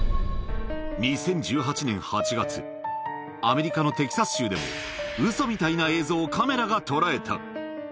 ２０１８年８月、アメリカのテキサス州でも、ウソみたいな映像をカメラが捉えた。